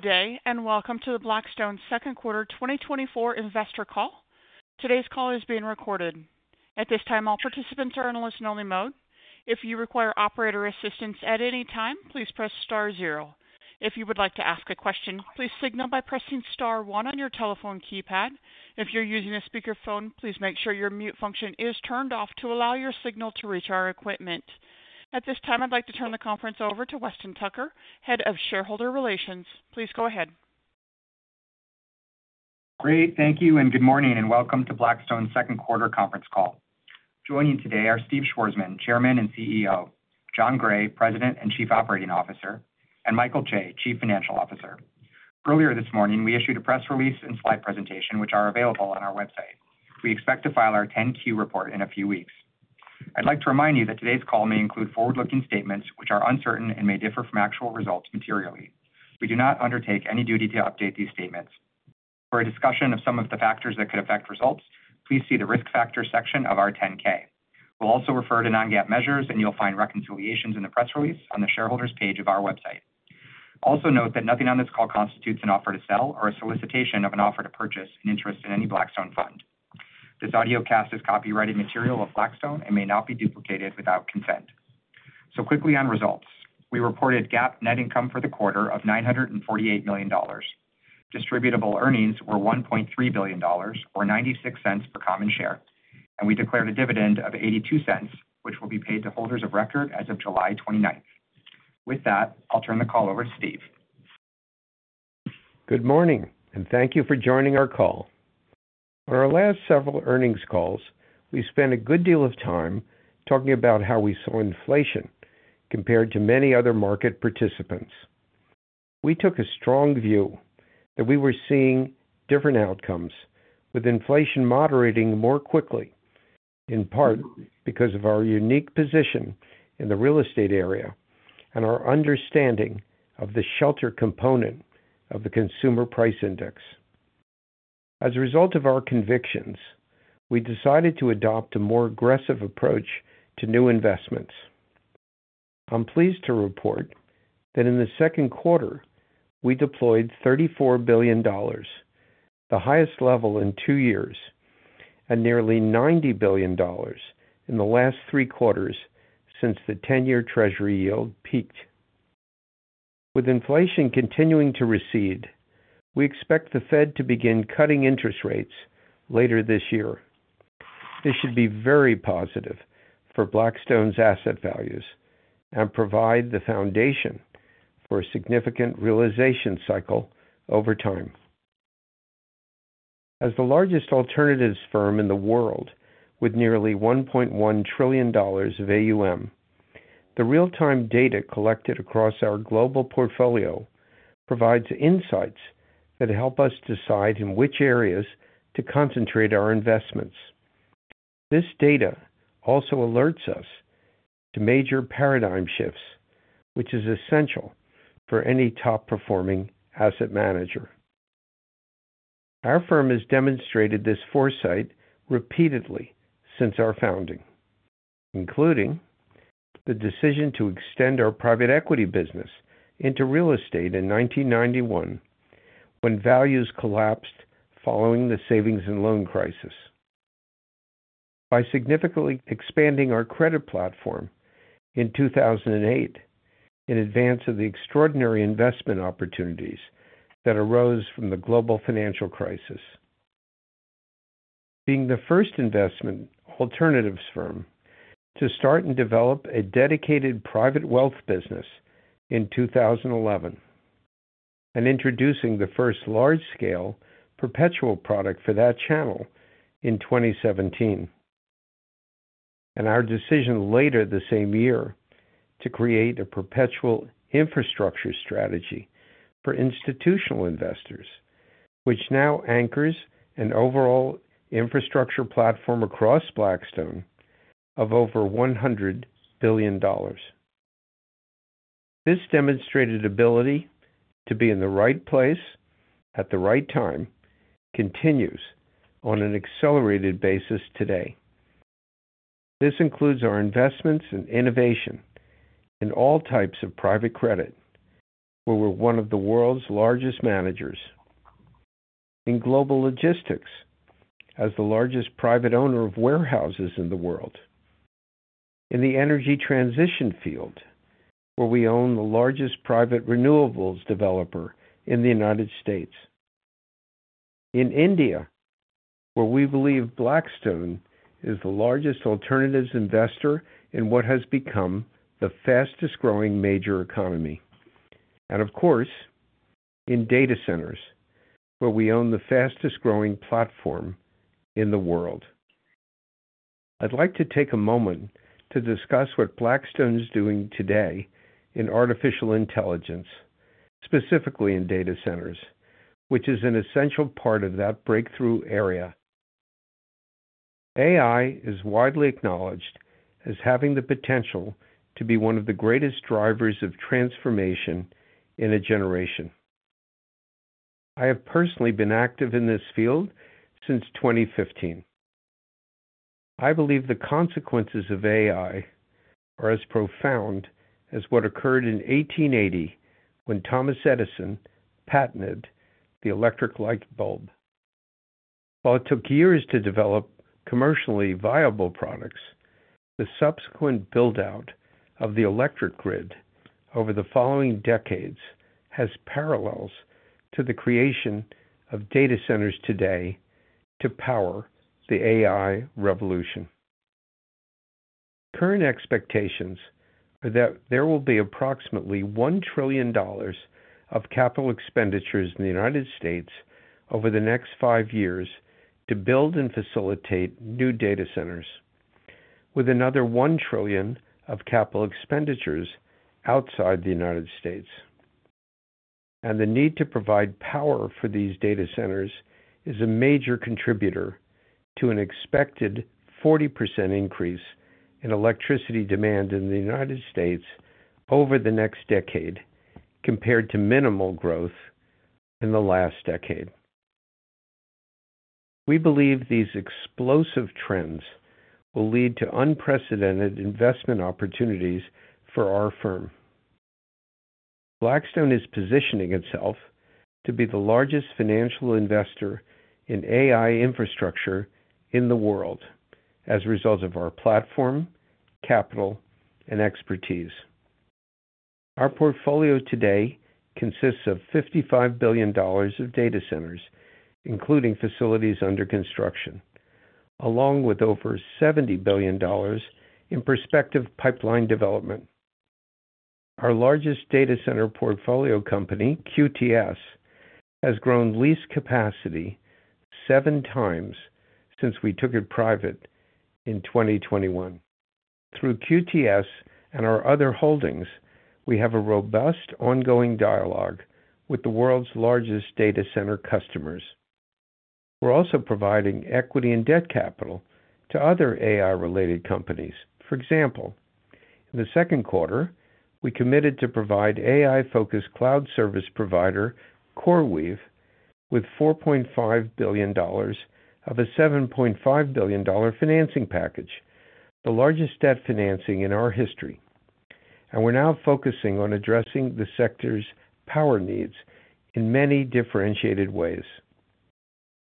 Good Day and welcome to the Blackstone Q2 2024 investor call. Today's call is being recorded. At this time, all participants are in a listen-only mode. If you require operator assistance at any time, please press star zero. If you would like to ask a question, please signal by pressing star one on your telephone keypad. If you're using a speakerphone, please make sure your mute function is turned off to allow your signal to reach our equipment. At this time, I'd like to turn the conference over to Weston Tucker, Head of Shareholder Relations. Please go ahead. Great, thank you and Good Morning and welcome to Blackstone's Q2 conference call. Joining today are Steve Schwarzman, Chairman and CEO; Jon Gray, President and Chief Operating Officer; and Michael Chae, Chief Financial Officer. Earlier this morning, we issued a press release and slide presentation, which are available on our website. We expect to file our 10-Q report in a few weeks. I'd like to remind you that today's call may include forward-looking statements, which are uncertain and may differ from actual results materially. We do not undertake any duty to update these statements. For a discussion of some of the factors that could affect results, please see the risk factors section of our 10-K. We'll also refer to non-GAAP measures and you'll find reconciliations in the press release on the shareholders page of our website. Note that nothing on this call constitutes an offer to sell or a solicitation of an offer to purchase an interest in any Blackstone fund. This audio cast is copyrighted material of Blackstone and may not be duplicated without consent. So quickly on results. We reported GAAP net income for the quarter of $948 million. Distributable earnings were $1.3 billion or $0.96 per common share and we declared a dividend of $0.82, which will be paid to holders of record as of July 29. With that, I'll turn the call over to Steve. Good Morning and thank you for joining our call. On our last several earnings calls, we spent a good deal of time talking about how we saw inflation compared to many other market participants. We took a strong view that we were seeing different outcomes, with inflation moderating more quickly, in part because of our unique position in the real estate area and our understanding of the shelter component of the Consumer Price Index. As a result of our convictions, we decided to adopt a more aggressive approach to new investments. I'm pleased to report that in the Q2, we deployed $34 billion, the highest level in two years and nearly $90 billion in the last three quarters since the 10-year Treasury yield peaked. With inflation continuing to recede, we expect the Fed to begin cutting interest rates later this year. This should be very positive for Blackstone's asset values and provide the foundation for a significant realization cycle over time. As the largest alternatives firm in the world, with nearly $1.1 trillion of AUM, the real-time data collected across our global portfolio provides insights that help us decide in which areas to concentrate our investments. This data also alerts us to major paradigm shifts, which is essential for any top-performing asset manager. Our firm has demonstrated this foresight repeatedly since our founding, including the decision to extend our private equity business into real estate in 1991, when values collapsed following the savings and loan crisis. By significantly expanding our credit platform in 2008, in advance of the extraordinary investment opportunities that arose from the global financial crisis. Being the first investment alternatives firm to start and develop a dedicated private wealth business in 2011 and introducing the first large-scale perpetual product for that channel in 2017. Our decision later the same year to create a perpetual infrastructure strategy for institutional investors, which now anchors an overall infrastructure platform across Blackstone of over $100 billion. This demonstrated ability to be in the right place at the right time continues on an accelerated basis today. This includes our investments in innovation in all types of private credit, where we're one of the world's largest managers. In global logistics, as the largest private owner of warehouses in the world. In the energy transition field, where we own the largest private renewables developer in the United States. In India, where we believe Blackstone is the largest alternatives investor in what has become the fastest-growing major economy. Of course, in data centers, where we own the fastest-growing platform in the world. I'd like to take a moment to discuss what Blackstone is doing today in artificial intelligence, specifically in data centers, which is an essential part of that breakthrough area. AI is widely acknowledged as having the potential to be one of the greatest drivers of transformation in a generation. I have personally been active in this field since 2015. I believe the consequences of AI are as profound as what occurred in 1880 when Thomas Edison patented the electric light bulb. While it took years to develop commercially viable products, the subsequent build-out of the electric grid over the following decades has parallels to the creation of data centers today to power the AI revolution. Current expectations are that there will be approximately $1 trillion of capital expenditures in the United States over the next 5 years to build and facilitate new data centers, with another $1 trillion of capital expenditures outside the United States. The need to provide power for these data centers is a major contributor to an expected 40% increase in electricity demand in the United States over the next decade, compared to minimal growth in the last decade. We believe these explosive trends will lead to unprecedented investment opportunities for our firm. Blackstone is positioning itself to be the largest financial investor in AI infrastructure in the world as a result of our platform, capital and expertise. Our portfolio today consists of $55 billion of data centers, including facilities under construction, along with over $70 billion in prospective pipeline development. Our largest data center portfolio company, QTS, has grown lease capacity 7 times since we took it private in 2021. Through QTS and our other holdings, we have a robust ongoing dialogue with the world's largest data center customers. We're also providing equity and debt capital to other AI-related companies. For example, in the Q2, we committed to provide AI-focused cloud service provider CoreWeave with $4.5 billion of a $7.5 billion financing package, the largest debt financing in our history. We're now focusing on addressing the sector's power needs in many differentiated ways.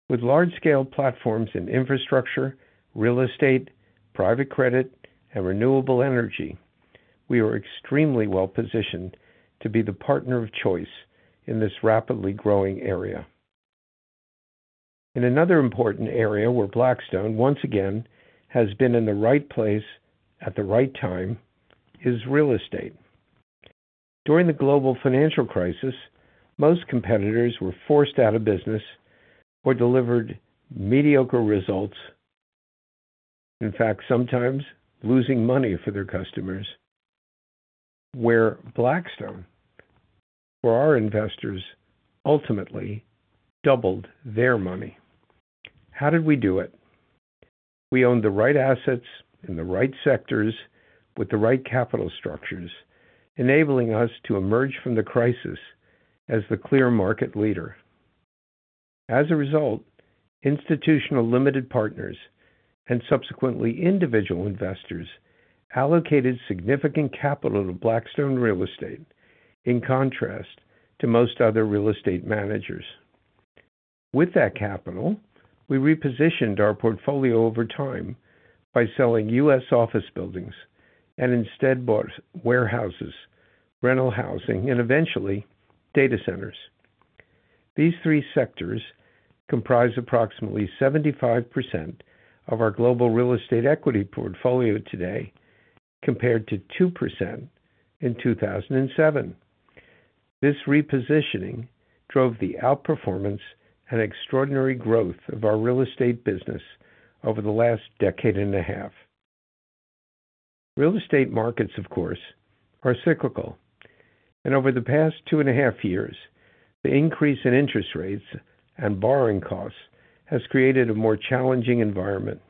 With large-scale platforms in infrastructure, real estate, private credit and renewable energy, we are extremely well-positioned to be the partner of choice in this rapidly growing area. In another important area where Blackstone once again has been in the right place at the right time is real estate. During the global financial crisis, most competitors were forced out of business or delivered mediocre results. In fact, sometimes losing money for their customers, where Blackstone, for our investors, ultimately doubled their money. How did we do it. We owned the right assets in the right sectors with the right capital structures, enabling us to emerge from the crisis as the clear market leader. As a result, institutional limited partners and subsequently individual investors allocated significant capital to Blackstone Real Estate, in contrast to most other real estate managers. With that capital, we repositioned our portfolio over time by selling U.S. office buildings and instead bought warehouses, rental housing and eventually data centers. These three sectors comprise approximately 75% of our global real estate equity portfolio today, compared to 2% in 2007. This repositioning drove the outperformance and extraordinary growth of our real estate business over the last decade and a half. Real estate markets, of course, are cyclical and over the past two and a half years, the increase in interest rates and borrowing costs has created a more challenging environment.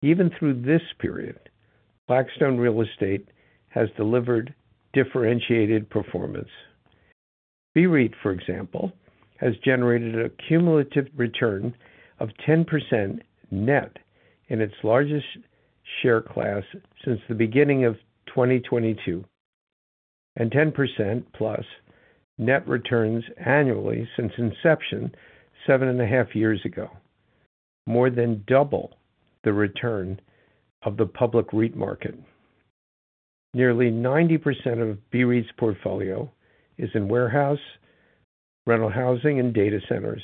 Even through this period Blackstone Real Estate has delivered differentiated performance. BREIT, for example has generated a cumulative return of 10% net in its largest share class since the beginning of 2022 and 10%+ net returns annually since inception 7.5 years ago, more than double the return of the public REIT market. Nearly 90% of BREIT portfolio is in warehouse, rental, housing and data centers,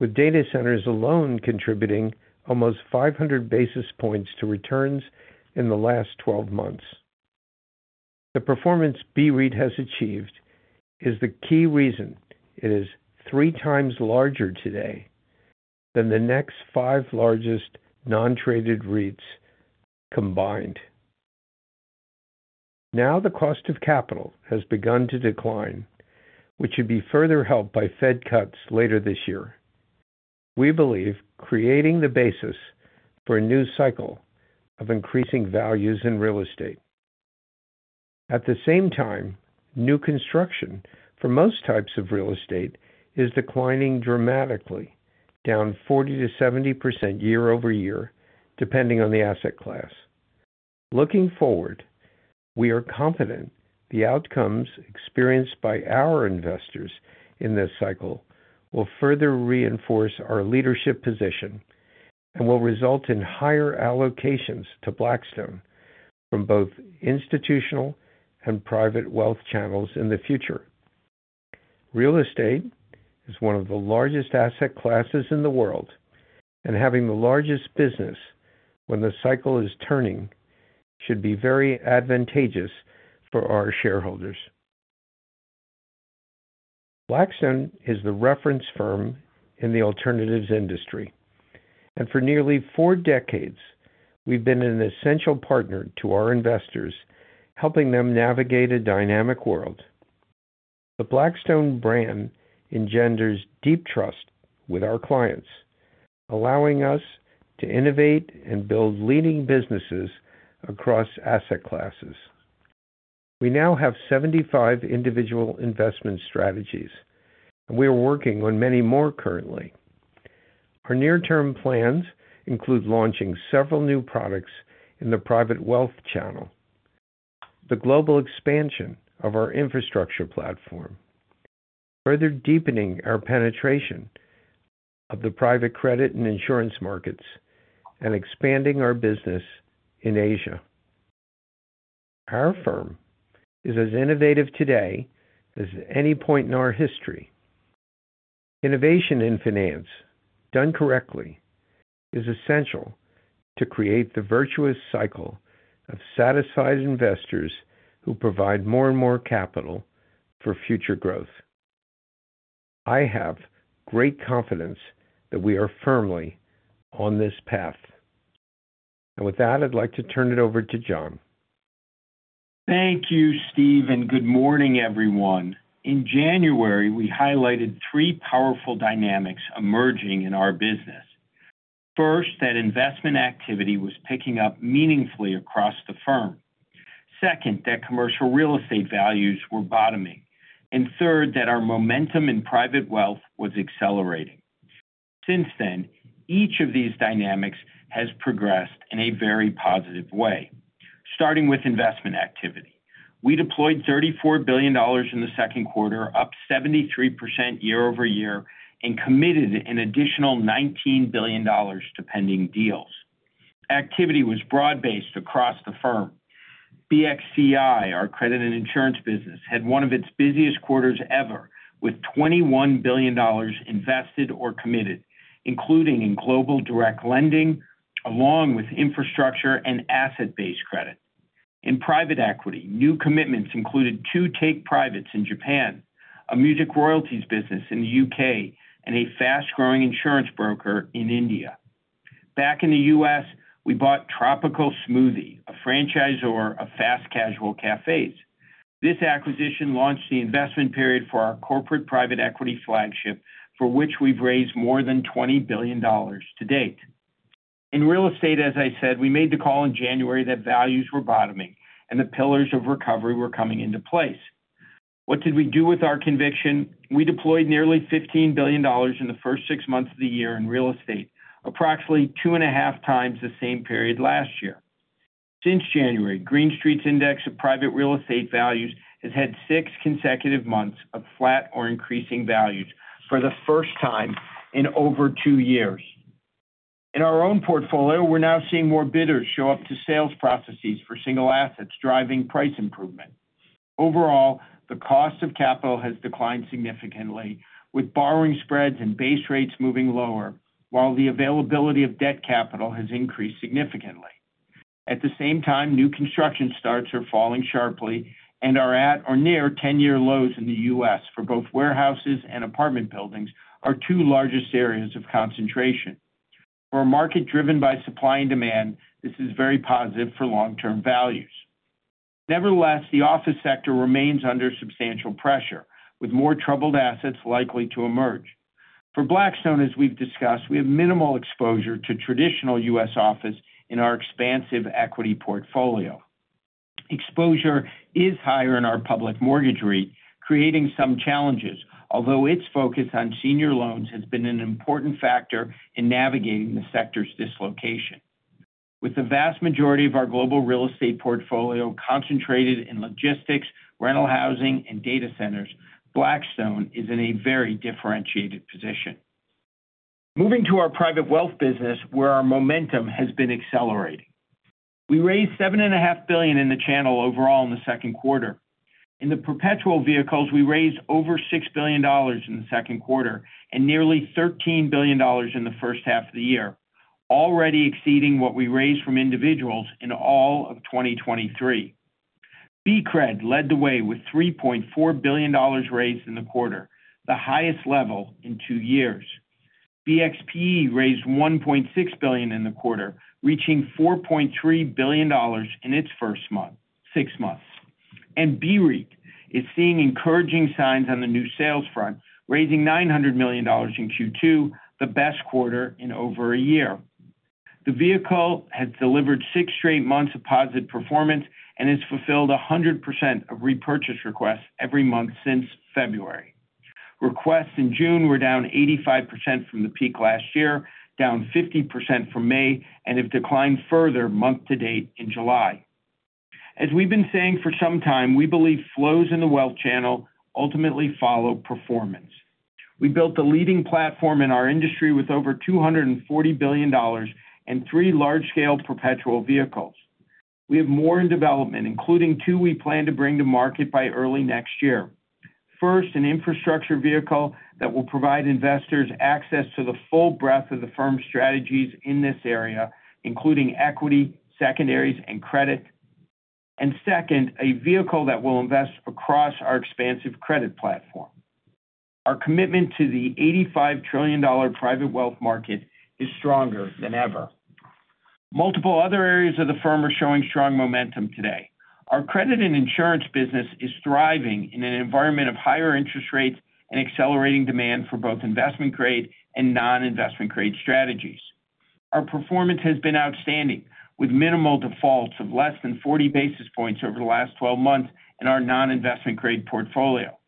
with data centers alone contributing almost 500 basis points to returns in the last twelve months. The performance BREIT has achieved is the key reason it is 3 times larger today than the next 5 largest non-traded REITs combined. Now, the cost of capital has begun to decline, which should be further helped by Fed cuts later this year. We believe creating the basis for a new cycle of increasing values in real estate. At the same time, new construction for most types of real estate is declining dramatically, down 40% to 70% year-over-year, depending on the asset class. Looking forward, we are confident the outcomes experienced by our investors in this cycle will further reinforce our leadership position and will result in higher allocations to Blackstone from both institutional and private wealth channels in the future. Real estate is one of the largest asset classes in the world and having the largest business when the cycle is turning should be very advantageous for our shareholders. Blackstone is the reference firm in the alternatives industry and for nearly four decades, we've been an essential partner to our investors, helping them navigate a dynamic world. The Blackstone brand engenders deep trust with our clients, allowing us to innovate and build leading businesses across asset classes. We now have 75 individual investment strategies and we are working on many more currently. Our near-term plans include launching several new products in the private wealth channel, the global expansion of our infrastructure platform, further deepening our penetration of the private credit and insurance markets and expanding our business in Asia. Our firm is as innovative today as at any point in our history. Innovation in finance, done correctly, is essential to create the virtuous cycle of satisfied investors who provide more and more capital for future growth. I have great confidence that we are firmly on this path. With that, I'd like to turn it over to Jon. Thank you, Steve and Good Morning everyone. In January, we highlighted three powerful dynamics emerging in our business. First, that investment activity was picking up meaningfully across the firm. Second, that commercial real estate values were bottoming and third, that our momentum in private wealth was accelerating. Since then, each of these dynamics has progressed in a very positive way. Starting with investment activity. We deployed $34 billion in the Q2, up 73% year-over-year and committed an additional $19 billion to pending deals. Activity was broad-based across the firm. BXCI, our credit and insurance business, had one of its busiest quarters ever, with $21 billion invested or committed, including in global direct lending, along with infrastructure and asset-based credit. In private equity, new commitments included two take-privates in Japan, a music royalties business in the UK and a fast-growing insurance broker in India. Back in the US, we bought Tropical Smoothie, a franchisor of fast casual cafes. This acquisition launched the investment period for our corporate private equity flagship, for which we've raised more than $20 billion to date. In real estate, as I said, we made the call in January that values were bottoming and the pillars of recovery were coming into place. What did we do with our conviction. We deployed nearly $15 billion in the first 6 months of the year in real estate, approximately 2.5 times the same period last year. Since January, Green Street's index of private real estate values has had 6 consecutive months of flat or increasing values for the first time in over 2 years. In our own portfolio, we're now seeing more bidders show up to sales processes for single assets, driving price improvement. Overall, the cost of capital has declined significantly, with borrowing spreads and base rates moving lower, while the availability of debt capital has increased significantly. At the same time, new construction starts are falling sharply and are at or near 10-year lows in the U.S. for both warehouses and apartment buildings, our two largest areas of concentration. For a market driven by supply and demand, this is very positive for long-term values. Nevertheless, the office sector remains under substantial pressure, with more troubled assets likely to emerge. For Blackstone, as we've discussed, we have minimal exposure to traditional U.S. office in our expansive equity portfolio. Exposure is higher in our public mortgage REIT, creating some challenges, although its focus on senior loans has been an important factor in navigating the sector's dislocation. With the vast majority of our global real estate portfolio concentrated in logistics, rental, housing and data centers, Blackstone is in a very differentiated position. Moving to our private wealth business, where our momentum has been accelerating. We raised $7.5 billion in the channel overall in the Q2. In the perpetual vehicles, we raised over $6 billion in the Q2 and nearly $13 billion in the H1 of the year, already exceeding what we raised from individuals in all of 2023. BCRED led the way with $3.4 billion raised in the quarter, the highest level in two years. BXPE raised $1.6 billion in the quarter, reaching $4.3 billion in its first six months. BREIT is seeing encouraging signs on the new sales front, raising $900 million in Q2, the best quarter in over a year. The vehicle has delivered 6 straight months of positive performance and has fulfilled 100% of repurchase requests every month since February. Requests in June were down 85% from the peak last year, down 50% from May and have declined further month to date in July. As we've been saying for some time, we believe flows in the wealth channel ultimately follow performance. We built the leading platform in our industry with over $240 billion and 3 large-scale perpetual vehicles. We have more in development, including two we plan to bring to market by early next year. First, an infrastructure vehicle that will provide investors access to the full breadth of the firm's strategies in this area, including equity, secondaries and credit and second, a vehicle that will invest across our expansive credit platform. Our commitment to the $85 trillion private wealth market is stronger than ever. Multiple other areas of the firm are showing strong momentum today. Our credit and insurance business is thriving in an environment of higher interest rates and accelerating demand for both investment grade and non-investment grade strategies. Our performance has been outstanding, with minimal defaults of less than 40 basis points over the last 12 months in our non-investment grade portfolio.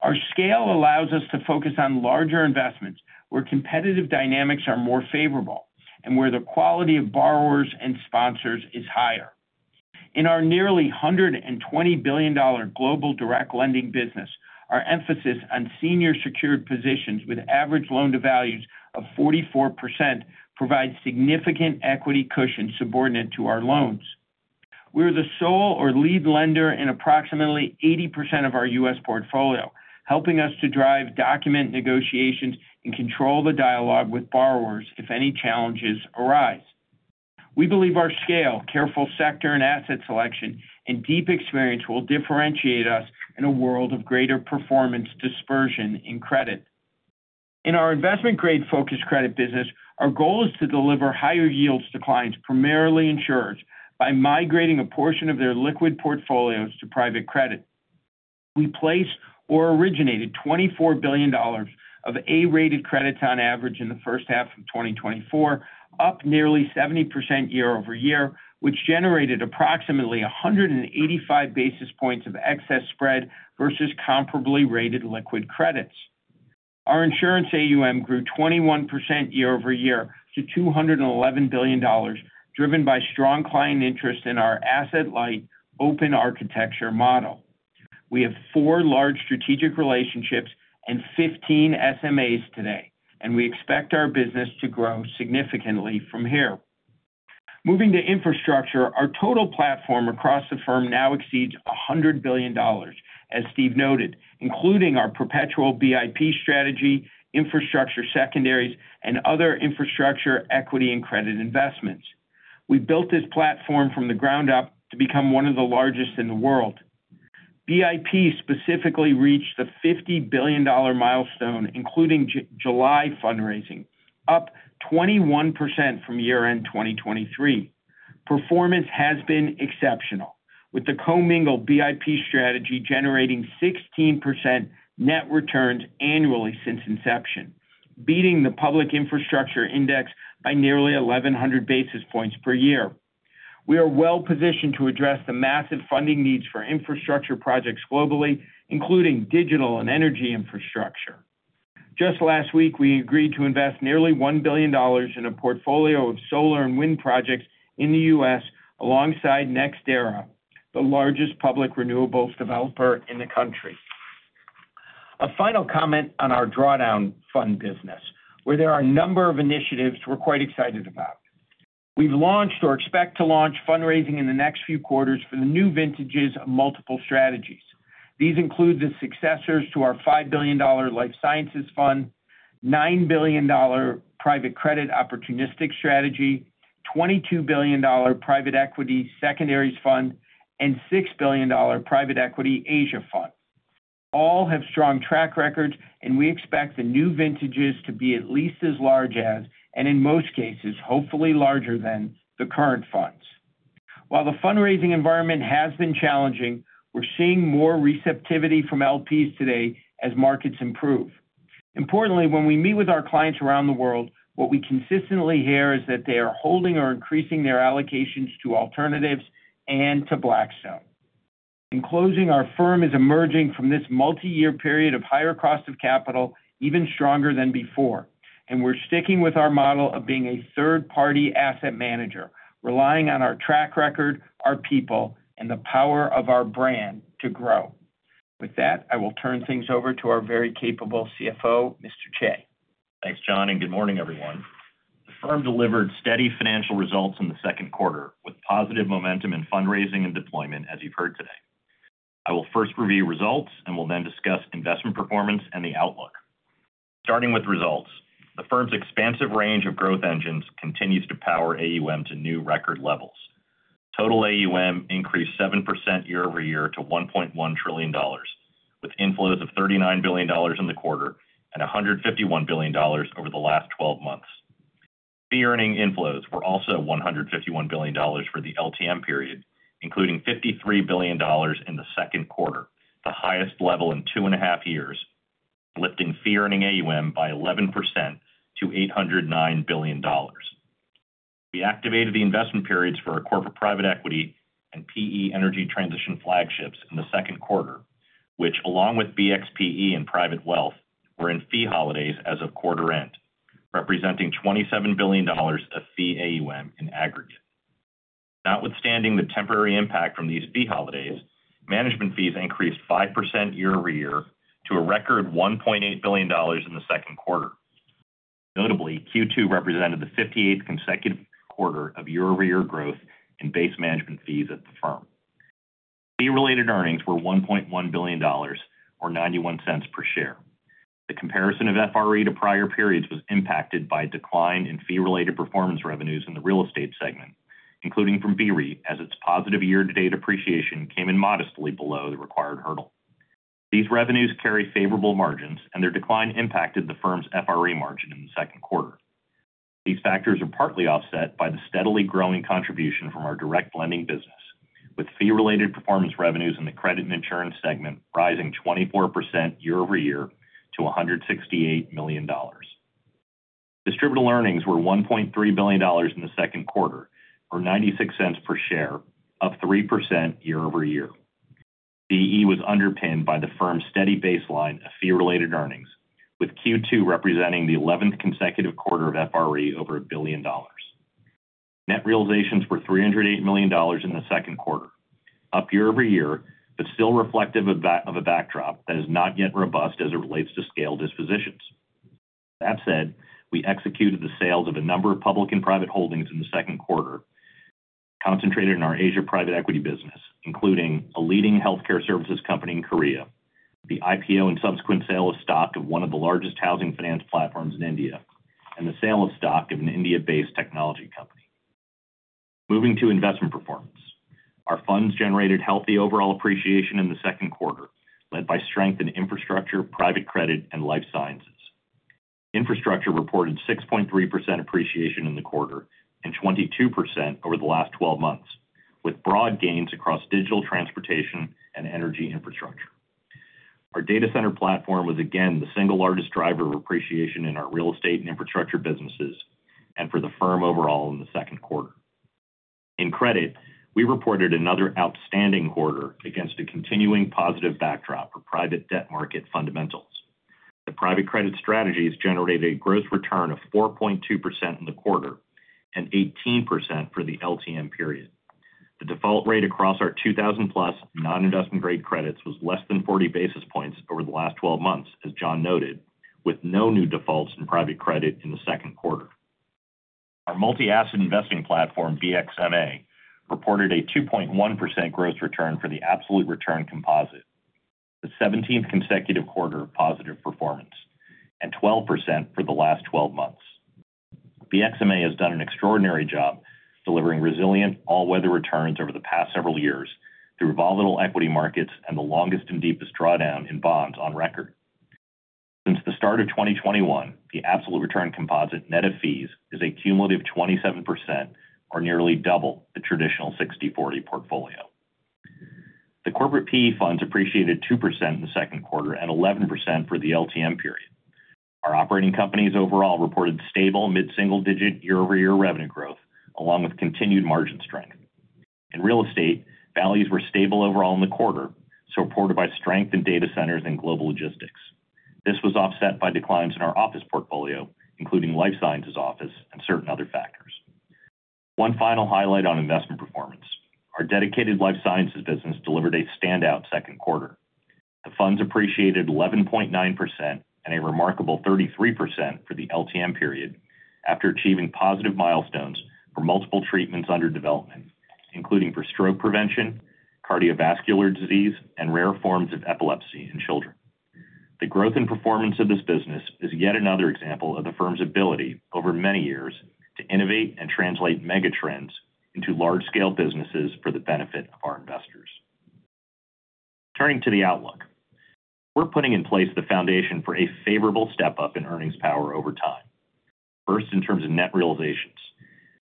Our scale allows us to focus on larger investments, where competitive dynamics are more favorable and where the quality of borrowers and sponsors is higher. In our nearly $120 billion global direct lending business, our emphasis on senior secured positions with average loan-to-value of 44% provide significant equity cushion subordinate to our loans. We are the sole or lead lender in approximately 80% of our U.S. portfolio, helping us to drive document negotiations and control the dialogue with borrowers if any challenges arise. We believe our scale, careful sector and asset selection and deep experience will differentiate us in a world of greater performance dispersion in credit. In our investment grade focused credit business, our goal is to deliver higher yields to clients, primarily insurers, by migrating a portion of their liquid portfolios to private credit. We placed or originated $24 billion of A-rated credits on average in the H1 of 2024, up nearly 70% year-over-year, which generated approximately 185 basis points of excess spread versus comparably rated liquid credits. Our insurance AUM grew 21% year-over-year to $211 billion, driven by strong client interest in our asset-light, open architecture model. We have four large strategic relationships and 15 SMAs today and we expect our business to grow significantly from here. Moving to infrastructure, our total platform across the firm now exceeds $100 billion, as Steve noted, including our perpetual BIP strategy, infrastructure secondaries and other infrastructure, equity and credit investments. We built this platform from the ground up to become one of the largest in the world. BIP specifically reached the $50 billion milestone, including July fundraising, up 21% from year-end 2023. Performance has been exceptional, with the commingled BIP strategy generating 16% net returns annually since inception, beating the public infrastructure index by nearly 1,100 basis points per year. We are well positioned to address the massive funding needs for infrastructure projects globally, including digital and energy infrastructure. Just last week, we agreed to invest nearly $1 billion in a portfolio of solar and wind projects in the U.S. alongside NextEra, the largest public renewables developer in the country. A final comment on our drawdown fund business, where there are a number of initiatives we're quite excited about. We've launched or expect to launch fundraising in the next few quarters for the new vintages of multiple strategies. These include the successors to our $5 billion life sciences fund, $9 billion private credit opportunistic strategy, $22 billion private equity secondaries fund and $6 billion private equity Asia fund. All have strong track records and we expect the new vintages to be at least as large as and in most cases, hopefully larger than, the current funds. While the fundraising environment has been challenging, we're seeing more receptivity from LPs today as markets improve. Importantly, when we meet with our clients around the world, what we consistently hear is that they are holding or increasing their allocations to alternatives and to Blackstone. In closing, our firm is emerging from this multiyear period of higher cost of capital even stronger than before and we're sticking with our model of being a third-party asset manager, relying on our track record, our people and the power of our brand to grow. With that, I will turn things over to our very capable CFO, Mr. Chae. Thanks, Jon and Good Morning, everyone. The firm delivered steady financial results in the Q2, with positive momentum in fundraising and deployment, as you've heard today. I will first review results and will then discuss investment performance and the outlook. Starting with results, the firm's expansive range of growth engines continues to power AUM to new record levels. Total AUM increased 7% year-over-year to $1.1 trillion, with inflows of $39 billion in the quarter and $151 billion over the last twelve months. Fee earning inflows were also $151 billion for the LTM period, including $53 billion in the Q2, the highest level in 2.5 years, lifting fee earning AUM by 11% to $809 billion. We activated the investment periods for our corporate private equity and PE energy transition flagships in the Q2, which, along with BXPE and private wealth, were in fee holidays as of quarter end, representing $27 billion of fee AUM in aggregate. Notwithstanding the temporary impact from these fee holidays, management fees increased 5% year-over-year to a record $1.8 billion in the Q2. Notably, Q2 represented the 58th consecutive quarter of year-over-year growth in base management fees at the firm. Fee-related earnings were $1.1 billion, or $0.91 per share. The comparison of FRE to prior periods was impacted by a decline in fee-related performance revenues in the real estate segment, including from BREIT, as its positive year-to-date appreciation came in modestly below the required hurdle. These revenues carry favorable margins and their decline impacted the firm's FRE margin in the Q2. These factors are partly offset by the steadily growing contribution from our direct lending business, with fee-related performance revenues in the credit and insurance segment rising 24% year-over-year to $168 million. Distributable earnings were $1.3 billion in the Q2, or $0.96 per share, up 3% year-over-year. DE was underpinned by the firm's steady baseline of fee-related earnings, with Q2 representing the 11th consecutive quarter of FRE over $1 billion. Net realizations were $308 million in the Q2, up year-over-year still reflective of a backdrop that is not yet robust as it relates to scale dispositions. That said, we executed the sales of a number of public and private holdings in the Q2, concentrated in our Asia private equity business, including a leading healthcare services company in Korea, the IPO and subsequent sale of stock of one of the largest housing finance platforms in India and the sale of stock of an India-based technology company. Moving to investment performance. Our funds generated healthy overall appreciation in the Q2, led by strength in infrastructure, private credit and life sciences. Infrastructure reported 6.3% appreciation in the quarter and 22% over the last 12 months, with broad gains across digital transportation and energy infrastructure. Our data center platform was again the single largest driver of appreciation in our real estate and infrastructure businesses and for the firm overall in the Q2. In credit, we reported another outstanding quarter against a continuing positive backdrop for private debt market fundamentals. The private credit strategies generated a gross return of 4.2% in the quarter and 18% for the LTM period. The default rate across our 2,000+ non-investment grade credits was less than 40 basis points over the last twelve months, as John noted, with no new defaults in private credit in the Q2. Our multi-asset investing platform, BXMA, reported a 2.1% gross return for the absolute return composite, the seventeenth consecutive quarter of positive performance and 12% for the last twelve months. BXMA has done an extraordinary job delivering resilient all-weather returns over the past several years through volatile equity markets and the longest and deepest drawdown in bonds on record. Since the start of 2021, the absolute return composite, net of fees, is a cumulative 27% or nearly double the traditional 60/40 portfolio. The corporate PE funds appreciated 2% in the Q2 and 11% for the LTM period. Our operating companies overall reported stable mid-single-digit year-over-year revenue growth, along with continued margin strength. In real estate, values were stable overall in the quarter, supported by strength in data centers and global logistics. This was offset by declines in our office portfolio, including life sciences office and certain other factors. One final highlight on investment performance: Our dedicated life sciences business delivered a standout Q2. The funds appreciated 11.9% and a remarkable 33% for the LTM period after achieving positive milestones for multiple treatments under development, including for stroke prevention, cardiovascular disease and rare forms of epilepsy in children. The growth and performance of this business is yet another example of the firm's ability over many years to innovate and translate mega trends into large-scale businesses for the benefit of our investors. Turning to the outlook. We're putting in place the foundation for a favorable step-up in earnings power over time. First, in terms of net realizations,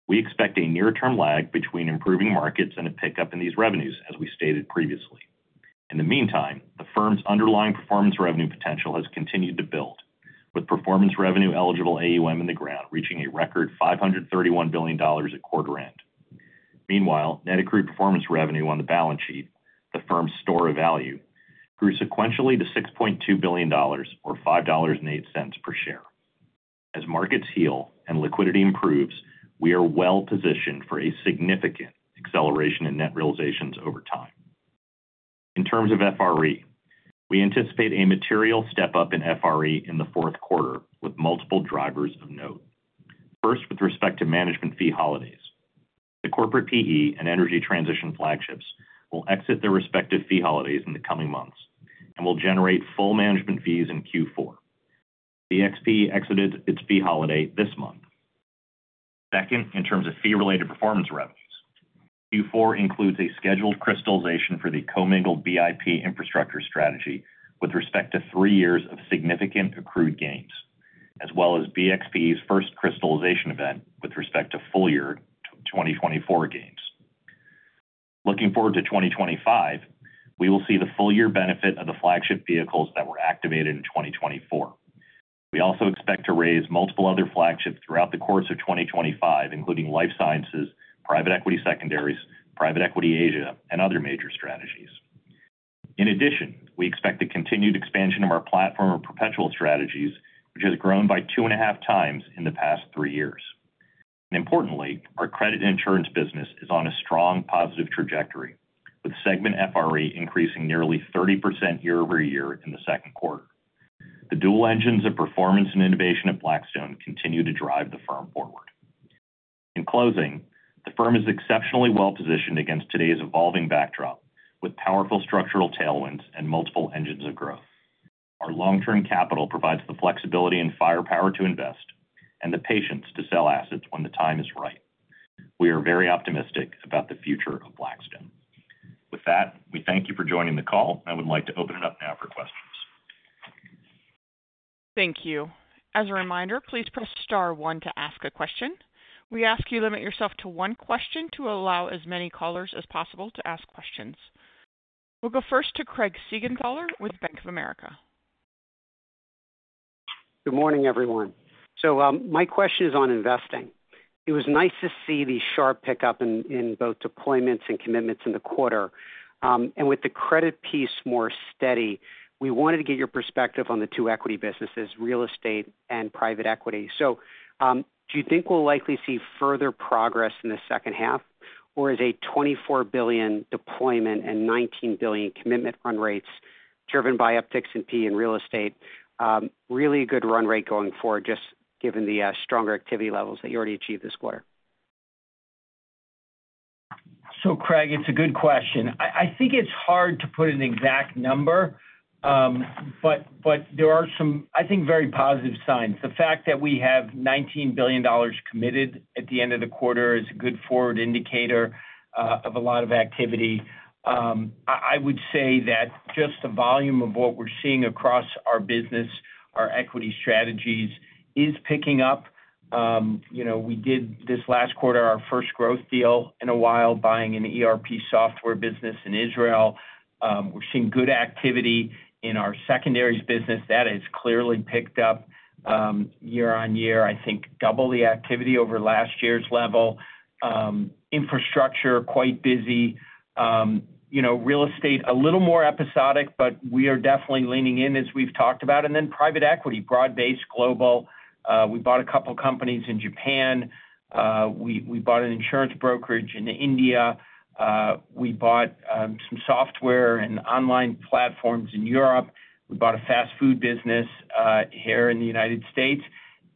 we expect a near-term lag between improving markets and a pickup in these revenues, as we stated previously. In the meantime, the firm's underlying performance revenue potential has continued to build, with performance revenue eligible AUM in the ground, reaching a record $531 billion at quarter end. Meanwhile, net accrued performance revenue on the balance sheet, the firm's store of value, grew sequentially to $6.2 billion, or $5.08 per share. As markets heal and liquidity improves, we are well positioned for a significant acceleration in net realizations over time. In terms of FRE, we anticipate a material step-up in FRE in the Q4 with multiple drivers of note. First, with respect to management fee holidays. The corporate PE and energy transition flagships will exit their respective fee holidays in the coming months and will generate full management fees in Q4. BXPE exited its fee holiday this month. Second, in terms of fee-related performance revenues, Q4 includes a scheduled crystallization for the commingled BIP infrastructure strategy with respect to three years of significant accrued gains, as well as BXPE's first crystallization event with respect to full year 2024 gains. Looking forward to 2025, we will see the full year benefit of the flagship vehicles that were activated in 2024. We also expect to raise multiple other flagships throughout the course of 2025, including life sciences, private equity secondaries, private equity Asia and other major strategies. In addition, we expect the continued expansion of our platform of perpetual strategies, which has grown by 2.5 times in the past three years. Importantly, our credit and insurance business is on a strong positive trajectory, with segment FRE increasing nearly 30% year-over-year in the Q2. The dual engines of performance and innovation at Blackstone continue to drive the firm forward. In closing, the firm is exceptionally well positioned against today's evolving backdrop, with powerful structural tailwinds and multiple engines of growth. Our long-term capital provides the flexibility and firepower to invest and the patience to sell assets when the time is right. We are very optimistic about the future of Blackstone. With that, we thank you for joining the call. I would like to open it up now for questions. Thank you. As a reminder, please press star one to ask a question. We ask you limit yourself to one question to allow as many callers as possible to ask questions. We'll go first to Craig Siegenthaler with Bank of America. Good Morning, everyone. My question is on investing. It was nice to see the sharp pickup in both deployments and commitments in the quarter and with the credit piece more steady, we wanted to get your perspective on the two equity businesses, real estate and private equity. Do you think we'll likely see further progress in the H2 or is a $24 billion deployment and $19 billion commitment run rates driven by upticks in PE and Real Estate really a good run rate going forward, just given the stronger activity levels that you already achieved this quarter. So Craig, it's a good question. It's hard to put an exact. there are some very positive signs. The fact that we have $19 billion committed at the end of the quarter is a good forward indicator, of a lot of activity. I, I would say that just the volume of what we're seeing across our business, our equity strategies, is picking up. We did this last quarter, our first growth deal in a while, buying an ERP software business in Israel. We're seeing good activity in our secondaries business. That has clearly picked up year-on-year double the activity over last year's level. Infrastructure, quite busy. Real estate, a little more episodic we are definitely leaning in as we've talked about. And then private equity, broad-based, global. We bought a couple companies in Japan. We bought an insurance brokerage in India. We bought some software and online platforms in Europe. We bought a fast food business here in the United States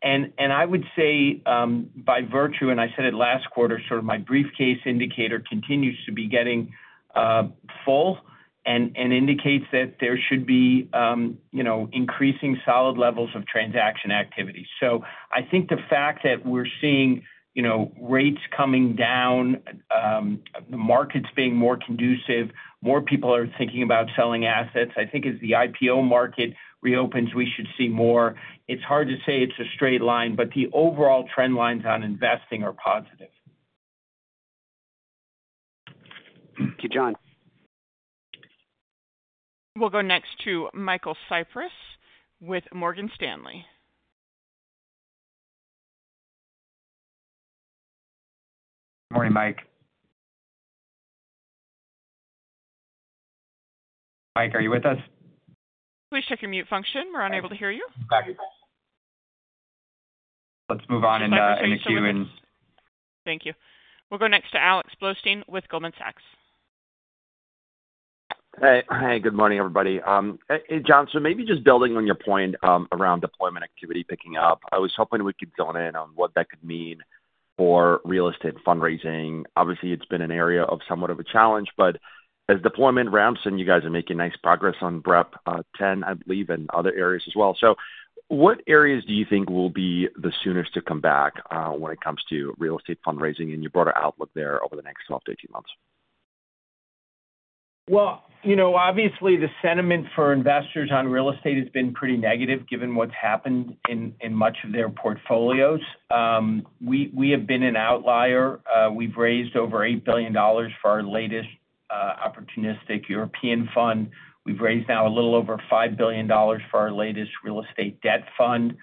and I would say, by virtue and I said it last quarter, sort of my briefcase indicator continues to be getting full and indicates that there should be increasing solid levels of transaction activity. The fact that we're seeing rates coming down, the markets being more conducive, more people are thinking about selling assets. As the IPO market reopens, we should see more. It's hard to say it's a straight line the overall trend lines on investing are positive. Thank you, Jon. We'll go next to Michael Cyprys with Morgan Stanley. Morning, Mike. Are you with us. Please check your mute function. We're unable to hear you. Let's move on in the queue. Thank you. We'll go next to Alex Blostein with Goldman Sachs. Hey, hey, Good Morning, everybody. Hey, Jon, so maybe just building on your point around deployment activity picking up, I was hoping we could zone in on what that could mean for real estate fundraising. Obviously, it's been an area of somewhat of a challenge as deployment ramps and you guys are making nice progress on BREP X, I believe and other areas as well. So what areas do you think will be the soonest to come back, when it comes to real estate fundraising and your broader outlook there over the next 12 to 18 months. Well obviously, the sentiment for investors on real estate has been pretty negative, given what's happened in much of their portfolios. We have been an outlier. We've raised over $8 billion for our latest opportunistic European fund. We've raised now a little over $5 billion for our latest real estate debt fund.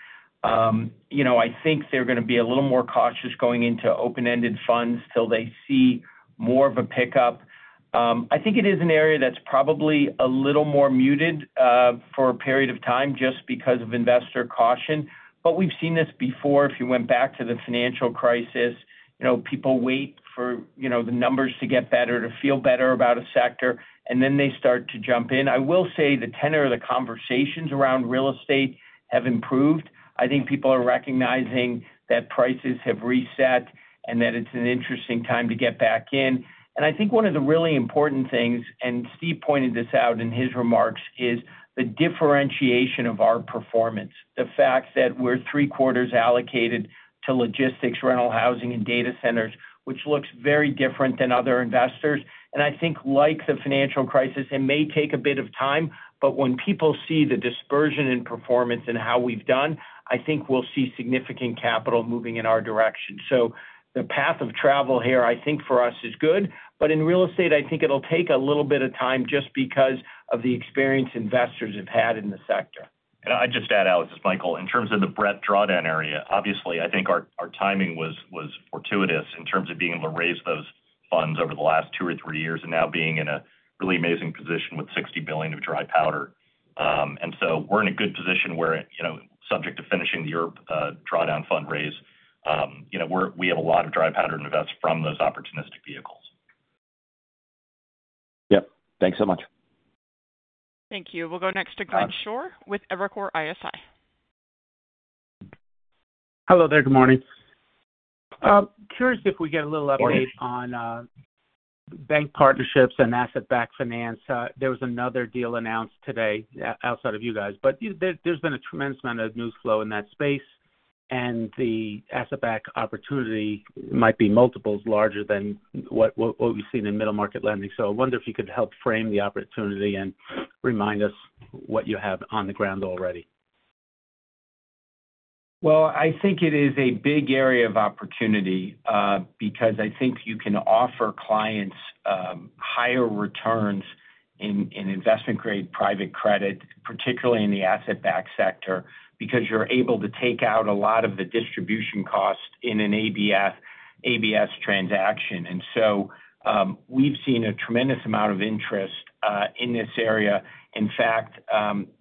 They're gonna be a little more cautious going into open-ended funds till they see more of a pickup. It is an area that's probably a little more muted for a period of time just because of investor caution. We've seen this before, if you went back to the financial crisis people wait for the numbers to get better, to feel better about a sector and then they start to jump in. I will say the tenor of the conversations around real estate have improved. People are recognizing that prices have reset and that it's an interesting time to get back in and one of the really important things and Steve pointed this out in his remarks, is the differentiation of our performance. The fact that we're three-quarters allocated to logistics, rental, housing and data centers, which looks very different than other investors and like the financial crisis, it may take a bit of time when people see the dispersion in performance and how we've done, we'll see significant capital moving in our direction. So the path of travel here for us is good in real estate, it'll take a little bit of time just because of the experience investors have had in the sector. I'd just add, Alex, it's Michael. In terms of the perpetual drawdown area, obviously, our timing was fortuitous in terms of being able to raise those funds over the last two or three years and now being in a really amazing position with $60 billion of dry powder and so we're in a good position where subject to finishing the European drawdown fundraise we have a lot of dry powder to invest from those opportunistic vehicles. Thanks so much. Thank you. We'll go next to Glenn Schorr with Evercore ISI. Hello there, Good Morning. Curious if we could get a little update on bank partnerships and asset-backed finance. There was another deal announced today outside of you guys there, there's been a tremendous amount of news flow in that space and the asset-backed opportunity might be multiples larger than what we've seen in middle-market lending. So I wonder if you could help frame the opportunity and remind us what you have on the ground already. Well, it is a big area of opportunity, because you can offer clients higher returns in investment-grade private credit, particularly in the asset-backed sector, because you're able to take out a lot of the distribution costs in an ABS transaction and We've seen a tremendous amount of interest in this area. In fact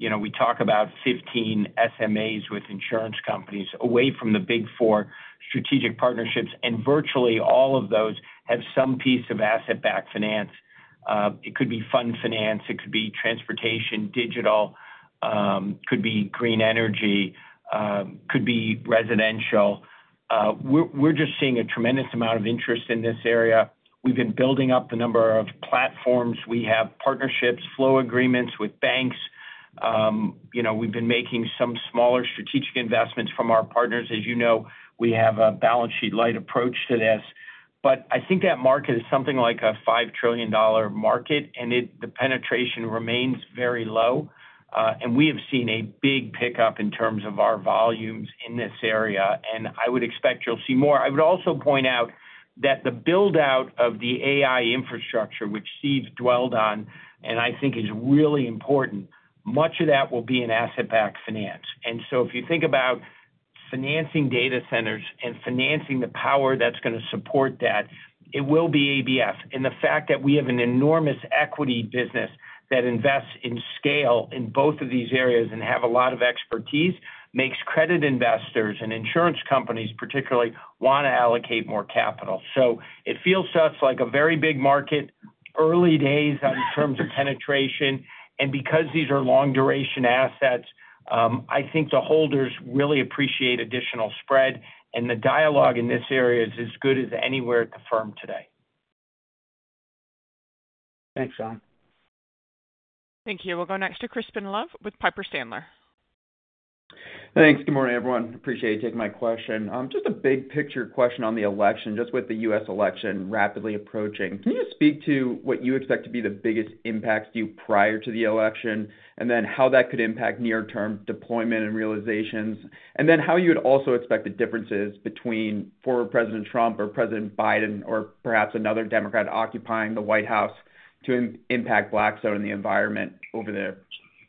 we talk about 15 SMAs with insurance companies away from the Big Four strategic partnerships and virtually all of those have some piece of asset-backed finance. It could be fund finance, it could be transportation, digital, could be green energy, could be residential. We're just seeing a tremendous amount of interest in this area. We've been building up the number of platforms. We have partnerships, flow agreements with banks. We've been making some smaller strategic investments from our partners. As we have a balance sheet light approach to this. That market is something like a $5 trillion market and the penetration remains very low and we have seen a big pickup in terms of our volumes in this area and I would expect you'll see more. I would also point out that the build-out of the AI infrastructure, which Steve dwelled on and is really important, much of that will be in asset-backed finance and so if you think about financing data centers and financing the power that's gonna support that, it will be ABS. The fact that we have an enormous equity business that invests in scale in both of these areas and have a lot of expertise makes credit investors and insurance companies, particularly, want to allocate more capital. So it feels to us like a very big market, early days in terms of penetration and because these are long-duration assets, the holders really appreciate additional spread and the dialogue in this area is as good as anywhere at the firm today. Thanks, Jon. Thank you. We'll go next to Crispin Love with Piper Sandler. Thanks. Good Morning, everyone. Appreciate you taking my question. Just a big picture question on the election. Just with the U.S. election rapidly approaching, can you just speak to what you expect to be the biggest impacts to you prior to the election and then how that could impact near-term deployment and realizations and then how you would also expect the differences between former President Trump or President Biden or perhaps another Democrat occupying the White House, to impact Blackstone and the environment over the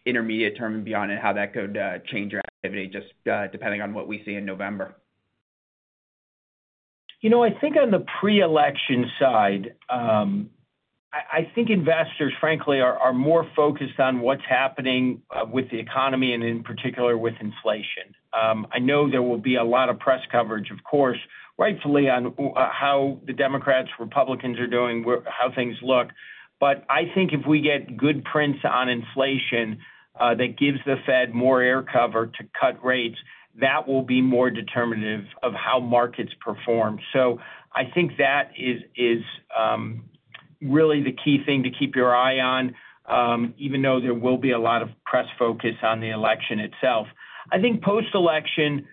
intermediate term and beyond and how that could change your activity, just depending on what we see in November. On the pre-election side, investors, frankly, are more focused on what's happening with the economy and in particular with inflation. I know there will be a lot of press coverage, of course, rightfully, on how the Democrats, Republicans are doing, how things look. If we get good prints on inflation, that gives the Fed more air cover to cut rates, that will be more determinative of how markets perform. So that is really the key thing to keep your eye on, even though there will be a lot of press focus on the election itself. post-election,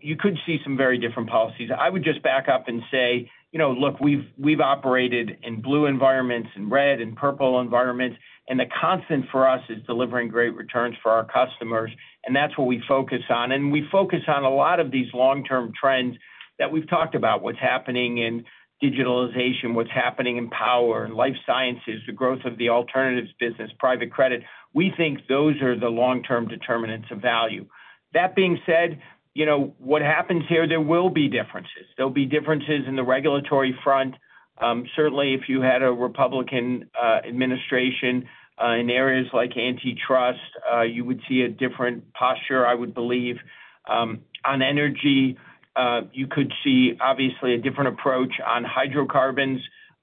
you could see some very different policies. I would just back up and say look, we've operated in blue environments and red and purple environments and the constant for us is delivering great returns for our customers and that's what we focus on. We focus on a lot of these long-term trends that we've talked about: what's happening in digitalization, what's happening in power and life sciences, the growth of the alternatives business, private credit. We think those are the long-term determinants of value. That being said what happens here, there will be differences. There'll be differences in the regulatory front. Certainly, if you had a Republican administration, in areas like antitrust, you would see a different posture, I would believe. On energy, you could see obviously a different approach on hydrocarbons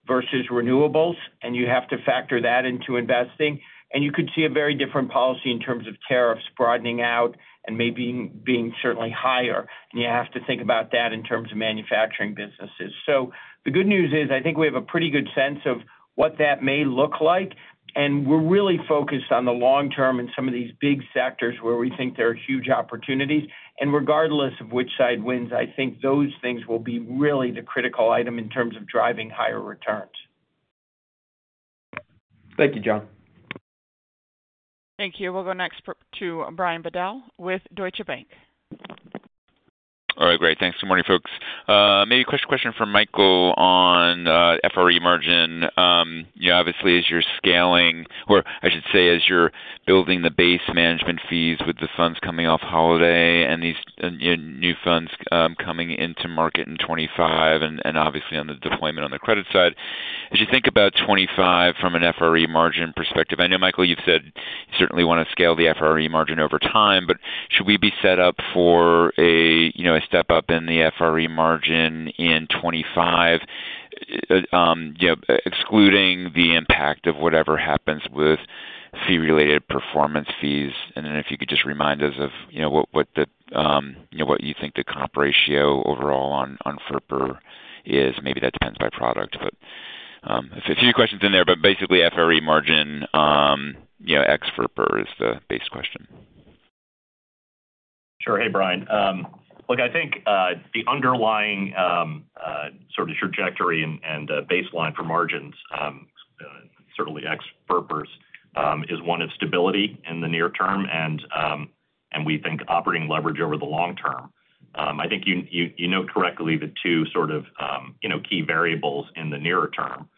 versus renewables and you have to factor that into investing. And you could see a very different policy in terms of tariffs broadening out and maybe being certainly higher and you have to think about that in terms of manufacturing businesses. So the good news is, we have a pretty good sense of what that may look like and we're really focused on the long term in some of these big sectors where we think there are huge opportunities and regardless of which side wins, those things will be really the critical item in terms of driving higher returns. Thank you, Jon. Thank you. We'll go next to Brian Bedell with Deutsche Bank. All right, great. Thanks. Good Morning, folks. Maybe a question for Michael on FRE margin. Obviously, as you're scaling, or I should say, as you're building the base management fees with the funds coming off holiday and new funds coming into market in 2025 and obviously on the deployment on the credit side, as you think about 2025 from an FRE margin perspective, I know, Michael, you've said you certainly wanna scale the FRE margin over time should we be set up for a a step up in the FRE margin in 2025. Excluding the impact of whatever happens with fee-related performance fees and then if you could just remind us of what you think the comp ratio overall on FRPR is. Maybe that depends by product, so a few questions in there basically, FRE margin ex FERPA is the base question. Sure. Hey, Brian. Look, the underlying sort of trajectory and baseline for margins certainly ex FRPR is one of stability in the near term and we think operating leverage over the long term. you know correctly, the two sort of key variables in the nearer term,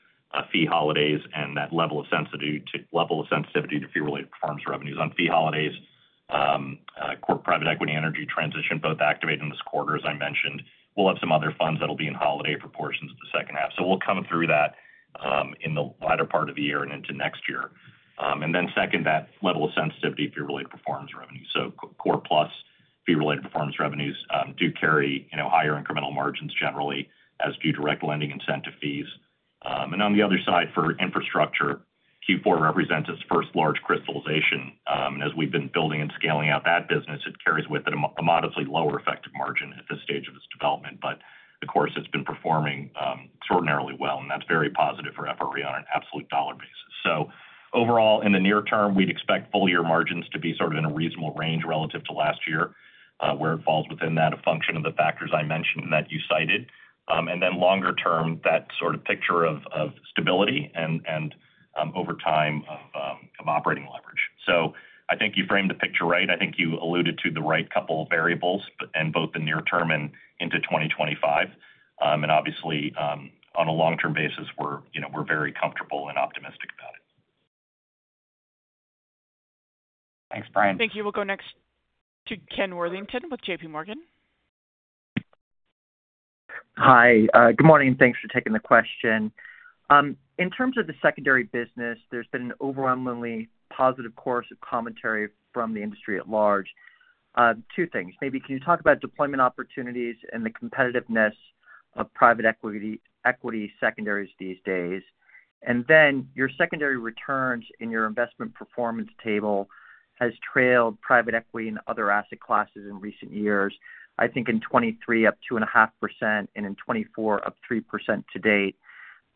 fee holidays and that level of sensitivity to, level of sensitivity to fee-related performance revenues. On fee holidays, core private equity, energy transition, both activated in this quarter, as I mentioned. We'll have some other funds that'll be in holiday portions of the H2. So we'll come through that in the latter part of the year and into next year and then second, that level of sensitivity, fee-related performance revenue. So core plus fee-related performance revenues do carry higher incremental margins, generally, as do direct lending incentive fees and on the other side, for infrastructure, Q4 represents its first large crystallization. As we've been building and scaling out that business, it carries with it a modestly lower effective margin at this stage of its development. Of course, it's been performing extraordinarily well and that's very positive for FRE on an absolute dollar basis. So overall, in the near term, we'd expect full year margins to be sort of in a reasonable range relative to last year, where it falls within that, a function of the factors I mentioned and that you cited and then longer term, that sort of picture of stability and over time, of operating leverage. So you framed the picture right. you alluded to the right couple of variables, in both the near term and into 2025 and obviously, on a long-term basis, we're we're very comfortable and optimistic about it. Thanks, Brian. Thank you. We'll go next to Ken Worthington with JPMorgan. Hi, Good Morning and thanks for taking the question. In terms of the secondary business, there's been an overwhelmingly positive course of commentary from the industry at large. Two things: Maybe can you talk about deployment opportunities and the competitiveness of private equity, equity secondaries these days. And then, your secondary returns in your investment performance table has trailed private equity and other asset classes in recent years, in 2023, up 2.5% and in 2024, up 3% to date.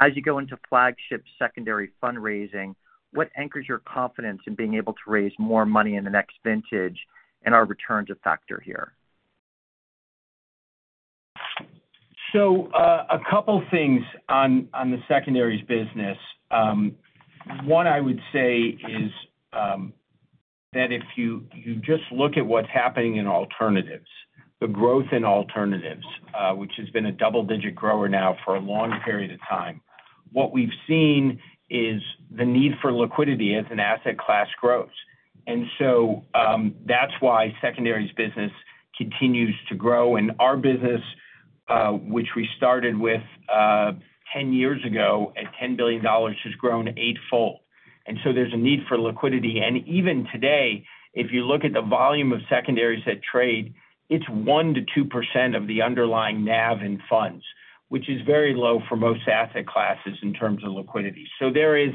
As you go into flagship secondary fundraising, what anchors your confidence in being able to raise more money in the next vintage and are returns a factor here. A couple things on the secondaries business. One, I would say is that if you just look at what's happening in alternatives, the growth in alternatives, which has been a double-digit grower now for a long period of time, what we've seen is the need for liquidity as an asset class grows. That's why secondaries business continues to grow. Our business, which we started with 10 years ago at $10 billion, has grown eightfold. There's a need for liquidity. Even today, if you look at the volume of secondaries at trade, it's 1%-2% of the underlying NAV in funds, which is very low for most asset classes in terms of liquidity. So there is,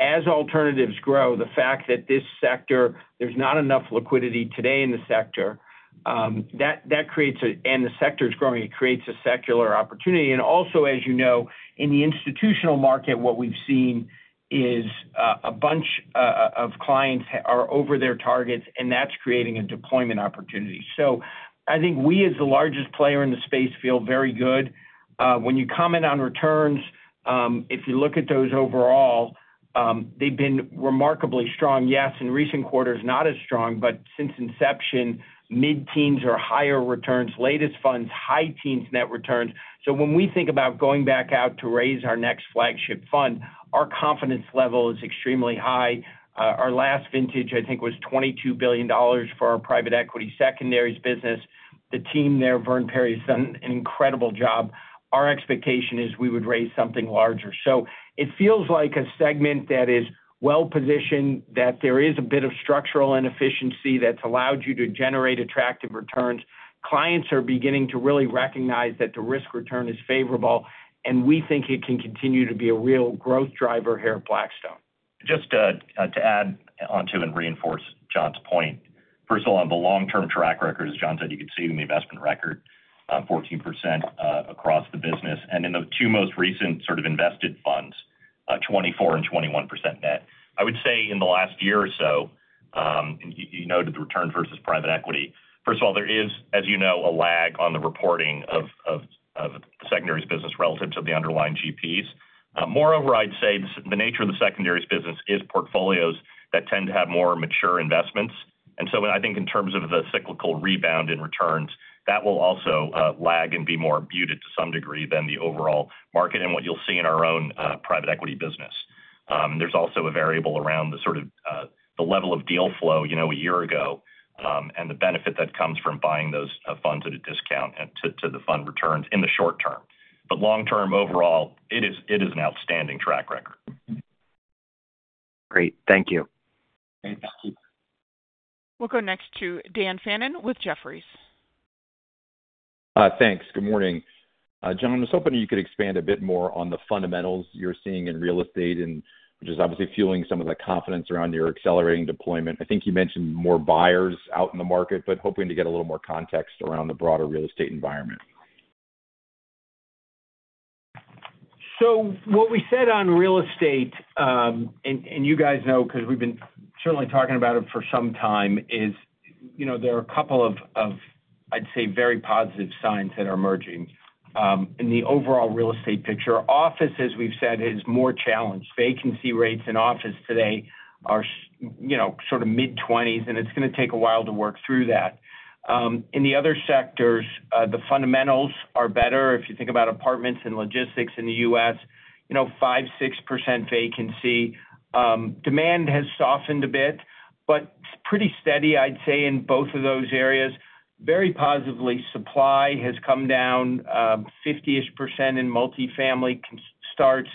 as alternatives grow, the fact that this sector, there's not enough liquidity today in the sector, that creates and the sector is growing, it creates a secular opportunity and also as in the institutional market, what we've seen is, a bunch of clients are over their targets and that's creating a deployment opportunity. So we, as the largest player in the space, feel very good. When you comment on returns, if you look at those overall, they've been remarkably strong. Yes, in recent quarters, not as strong since inception, mid-teens or higher returns. Latest funds, high teens net returns. So when we think about going back out to raise our next flagship fund, our confidence level is extremely high. Our last vintage,, was $22 billion for our private equity secondaries business. The team there, Verdun Perry, has done an incredible job. Our expectation is we would raise something larger. So it feels like a segment that is well-positioned, that there is a bit of structural inefficiency that's allowed you to generate attractive returns. Clients are beginning to really recognize that the risk-return is favorable and we think it can continue to be a real growth driver here at Blackstone. Just to add onto and reinforce John's point. First of all, on the long-term track record, as John said, you could see in the investment record, 14%, across the business and in the two most recent sort of invested funds, 24% and 21% net. I would say in the last year or so and you noted the return versus private equity. First of all, there is a lag on the reporting of secondaries business relative to the underlying GPs. Moreover, I'd say the nature of the secondaries business is portfolios that tend to have more mature investments and so in terms of the cyclical rebound in returns, that will also lag and be more muted to some degree than the overall market and what you'll see in our own private equity business. There's also a variable around the sort of level of deal flow a year ago and the benefit that comes from buying those funds at a discount and to the fund returns in the short term. In long term, overall it is an outstanding track record. Great, thank you. We'll go next to Dan Fannon with Jefferies. Thanks. Good Morning. John, I was hoping you could expand a bit more on the fundamentals you're seeing in real estate and which is obviously fueling some of the confidence around your accelerating deployment. you mentioned more buyers out in the market hoping to get a little more context around the broader real estate environment. So what we said on real estate and you guys know, 'cause we've been certainly talking about it for some time, is there are a couple of, of, I'd say, very positive signs that are emerging in the overall real estate picture. Office, as we've said, is more challenged. Vacancy rates in office today are sort of mid-20s and it's gonna take a while to work through that. In the other sectors, the fundamentals are better. If you think about apartments and logistics in the U.S. 5%-6% vacancy. Demand has softened a bit it's pretty steady, I'd say, in both of those areas. Very positively, supply has come down, 50-ish% in multifamily construction starts,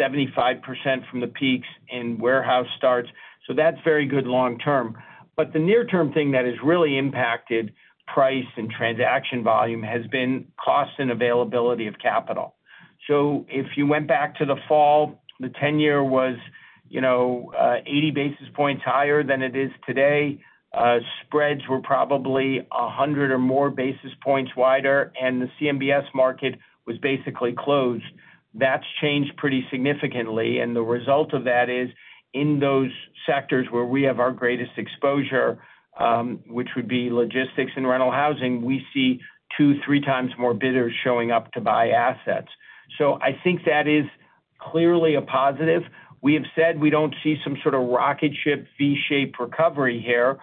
75% from the peaks in warehouse starts. So that's very good long term. The near-term thing that has really impacted price and transaction volume has been cost and availability of capital. So if you went back to the fall, the tenure was 80 basis points higher than it is today. Spreads were probably 100 or more basis points wider and the CMBS market was basically closed. That's changed pretty significantly and the result of that is, in those sectors where we have our greatest exposure, which would be logistics and rental housing, we see 2-3 times more bidders showing up to buy assets. So that is clearly a positive. We have said we don't see some sort of rocket ship, V-shaped recovery here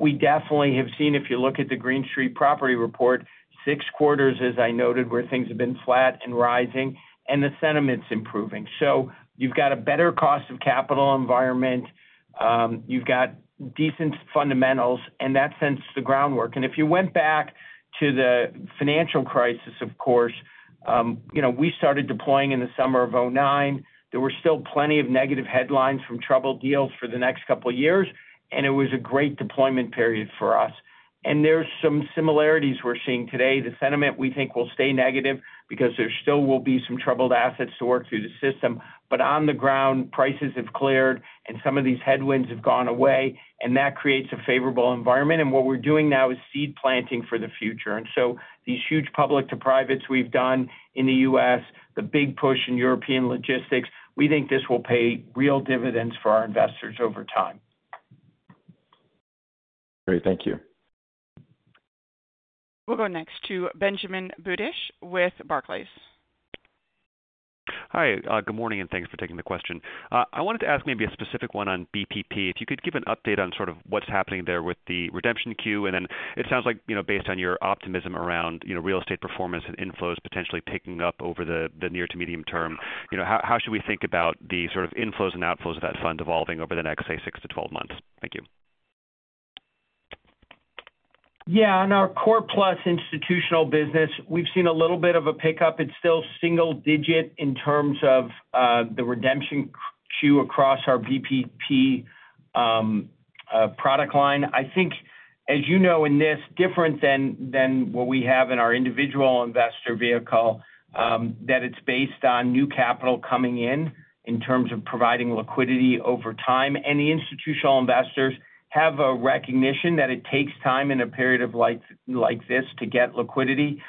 we definitely have seen, if you look at the Green Street Property Report, 6 quarters, as I noted, where things have been flat and rising and the sentiment's improving. So you've got a better cost of capital environment, you've got decent fundamentals and that sets the groundwork and if you went back to the financial crisis, of course we started deploying in the summer of 2009. There were still plenty of negative headlines from troubled deals for the next couple of years and it was a great deployment period for us and there's some similarities we're seeing today. The sentiment, we think, will stay negative because there still will be some troubled assets to work through the system. On the ground, prices have cleared and some of these headwinds have gone away and that creates a favorable environment and what we're doing now is seed planting for the future. And so these huge public to privates we've done in the U.S., the big push in European logistics, we think this will pay real dividends for our investors over time. Great. Thank you. We'll go next to Benjamin Budish with Barclays. Hi, Good Morning and thanks for taking the question. I wanted to ask maybe a specific one on BPP. If you could give an update on sort of what's happening there with the redemption queue and then it sounds like based on your optimism around real estate performance and inflows potentially picking up over the, the near to medium term how, how should we think about the sort of inflows and outflows of that fund evolving over the next, say, six to 12 months. Thank you. On our core plus institutional business, we've seen a little bit of a pickup. It's still single digit in terms of the redemption queue across our BPP product line. as this different than what we have in our individual investor vehicle, that it's based on new capital coming in in terms of providing liquidity over time and the institutional investors have a recognition that it takes time in a period of like this to get liquidity.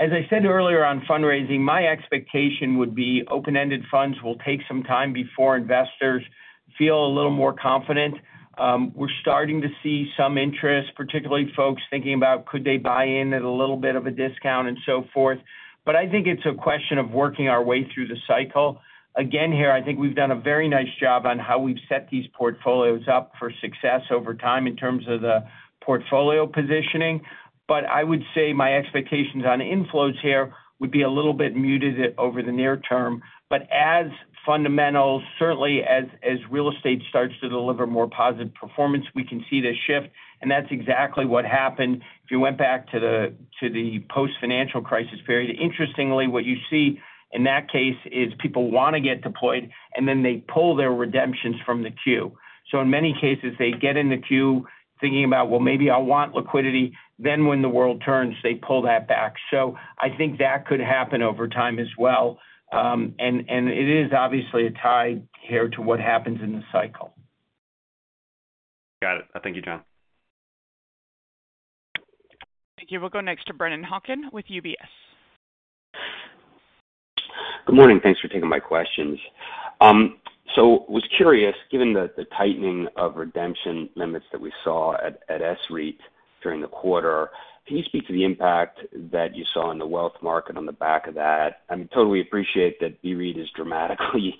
As I said earlier on fundraising, my expectation would be open-ended funds will take some time before investors feel a little more confident. We're starting to see some interest, particularly folks thinking about could they buy in at a little bit of a discount and so forth. It's a question of working our way through the cycle. Again, here, we've done a very nice job on how we've set these portfolios up for success over time in terms of the portfolio positioning. I would say my expectations on inflows here would be a little bit muted over the near term. As fundamentals, certainly as real estate starts to deliver more positive performance, we can see this shift and that's exactly what happened. If you went back to the post-financial crisis period, interestingly, what you see in that case is people wanna get deployed and then they pull their redemptions from the queue. So in many cases, they get in the queue thinking about, "Well, maybe I want liquidity." Then when the world turns, they pull that back. So that could happen over time as well. It is obviously a tie here to what happens in the cycle. Got it. Thank you, John. Thank you. We'll go next to Brennan Hawken with UBS. Good Morning. Thanks for taking my questions. So was curious, given the tightening of redemption limits that we saw at SREIT during the quarter, can you speak to the impact that you saw in the wealth market on the back of that. I totally appreciate that BREIT is dramatically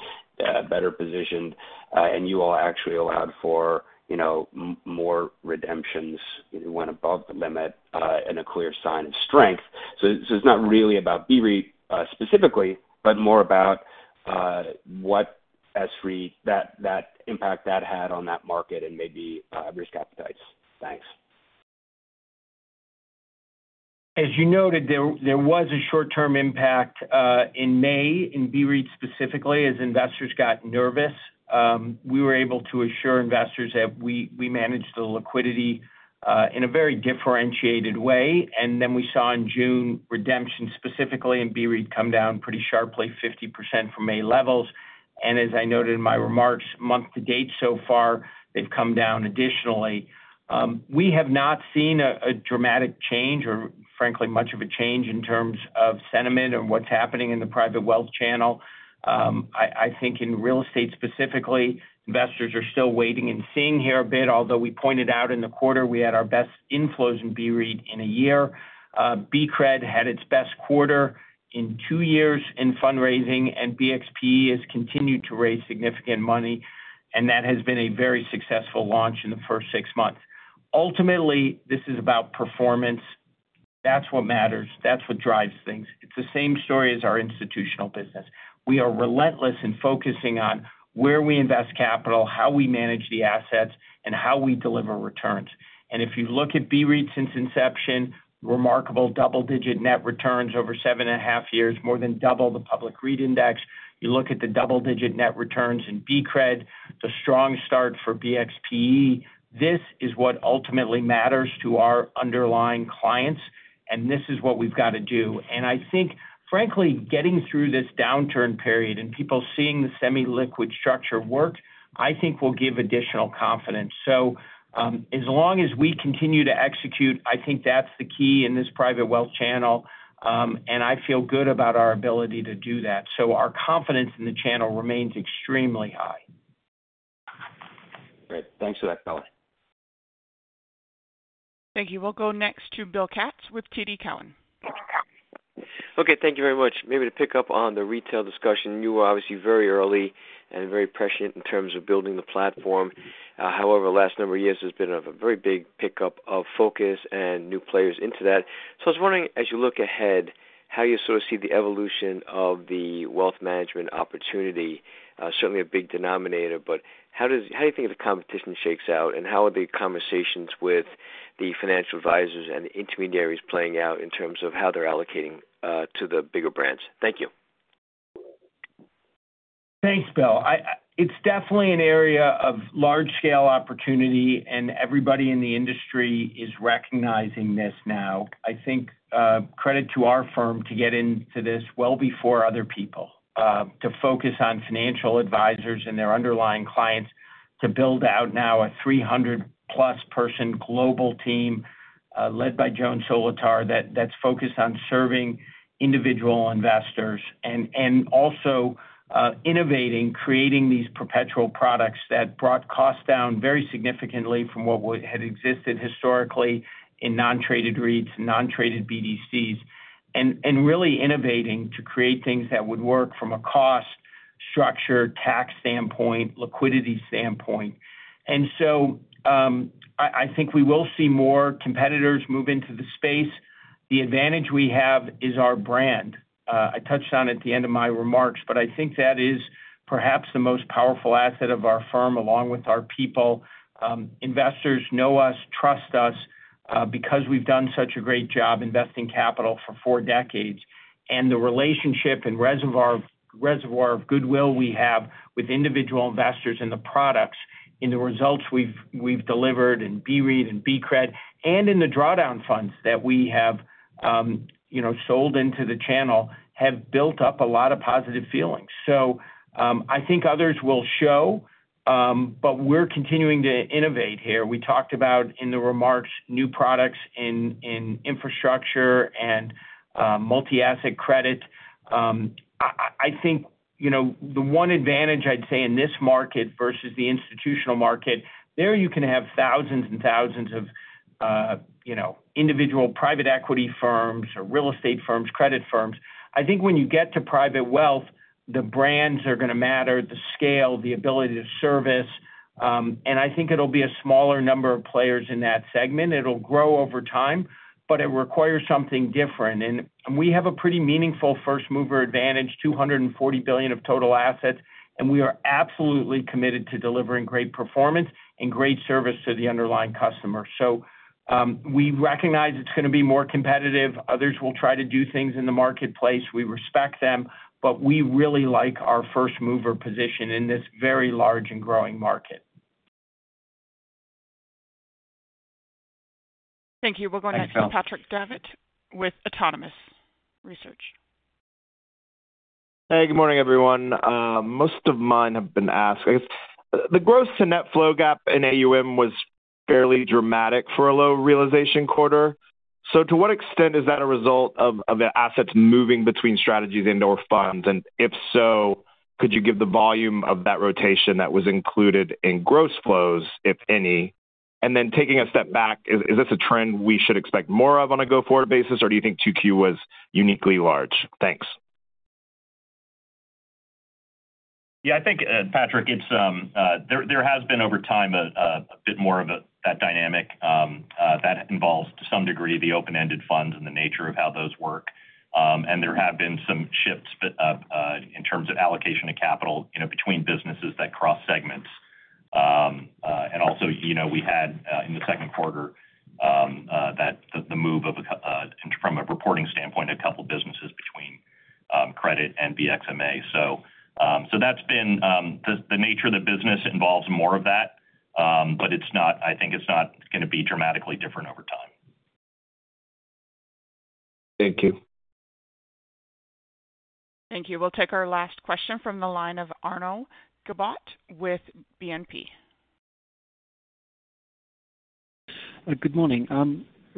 better positioned and you all actually allowed for more redemptions. It went above the limit and a clear sign of strength. So it's not really about BREIT specifically more about what SREIT that impact that had on that market and maybe risk appetites. Thanks. As you noted, there was a short-term impact in May in BREIT specifically, as investors got nervous. We were able to assure investors that we managed the liquidity in a very differentiated way and then we saw in June redemptions specifically in BREIT come down pretty sharply, 50% from May levels. As I noted in my remarks, month to date so far, they've come down additionally. We have not seen a dramatic change, or frankly, much of a change in terms of sentiment and what's happening in the private wealth channel. in real estate specifically, investors are still waiting and seeing here a bit, although we pointed out in the quarter, we had our best inflows in BREIT in a year. BCRED had its best quarter in two years in fundraising and BXPE has continued to raise significant money and that has been a very successful launch in the first six months. Ultimately, this is about performance. That's what matters. That's what drives things. It's the same story as our institutional business. We are relentless in focusing on where we invest capital, how we manage the assets and how we deliver returns and if you look at BREIT since inception, remarkable double-digit net returns over seven and a half years, more than double the public REIT index. You look at the double-digit net returns in BCRED, the strong start for BXPE. This is what ultimately matters to our underlying clients and this is what we've got to do and frankly, getting through this downturn period and people seeing the semi-liquid structure work, will give additional confidence. As long as we continue to execute, that's the key in this private wealth channel and I feel good about our ability to do that. So our confidence in the channel remains extremely high. Great. Thanks for that color. Thank you. We'll go next to Bill Katz with TD Cowen. Thank you very much. Maybe to pick up on the retail discussion, you were obviously very early and very prescient in terms of building the platform. However, the last number of years has been a very big pickup of focus and new players into that. So I was wondering, as you look ahead, how you sort of see the evolution of the wealth management opportunity. Certainly a big denominator how do you think the competition shakes out and how are the conversations with the financial advisors and the intermediaries playing out in terms of how they're allocating to the bigger brands. Thank you. Thanks, Bill. I, it's definitely an area of large-scale opportunity and everybody in the industry is recognizing this now., credit to our firm to get into this well before other people, to focus on financial advisors and their underlying clients, to build out now a 300-plus person global team, led by Joan Solotar, that's focused on serving individual investors and innovating, creating these perpetual products that brought costs down very significantly from what had existed historically in non-traded REITs, non-traded BDCs and really innovating to create things that would work from a cost structure, tax standpoint, liquidity standpoint and we will see more competitors move into the space. The advantage we have is our brand. I touched on it at the end of my remarks that is perhaps the most powerful asset of our firm, along with our people. Investors know us, trust us, because we've done such a great job investing capital for four decades. The relationship and reservoir of goodwill we have with individual investors in the products, in the results we've delivered in BREIT and BCred and in the drawdown funds that we have sold into the channel, have built up a lot of positive feelings. others will show we're continuing to innovate here. We talked about, in the remarks, new products in infrastructure and multi-asset credit. The one advantage I'd say in this market versus the institutional market, there you can have thousands and thousands of individual private equity firms or real estate firms, credit firms. when you get to private wealth, the brands are gonna matter, the scale, the ability to service and it'll be a smaller number of players in that segment. It'll grow over time it requires something different and we have a pretty meaningful first-mover advantage, $240 billion of total assets and we are absolutely committed to delivering great performance and great service to the underlying customer. We recognize it's gonna be more competitive. Others will try to do things in the marketplace. We respect them we really like our first-mover position in this very large and growing market. Thank you. We'll go next to Patrick Davitt with Autonomous Research. Hey, Good Morning, everyone. Most of mine have been asked. I guess the growth to net flow gap in AUM was fairly dramatic for a low realization quarter. So to what extent is that a result of the assets moving between strategies and or funds and if could you give the volume of that rotation that was included in gross flows, if any. And then taking a step back, is this a trend we should expect more of on a go-forward basis, or do you think 2Q was uniquely large. Thanks. Patrick, there has been over time a bit more of that dynamic that involves, to some degree, the open-ended funds and the nature of how those work and there have been some shifts in terms of allocation of capital between businesses that cross segments and also we had in the Q2 the move, from a reporting standpoint, of a couple businesses between credit and BXMA that's been the nature of the business involves more of that it's not gonna be dramatically different over time. Thank you. Thank you. We'll take our last question from the line of Arnaud Giblat with BNP. Good Morning.